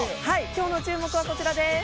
今日の注目はこちらです。